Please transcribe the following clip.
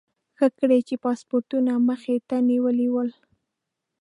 ښه ګړی یې پاسپورټونه مخې ته نیولي ول.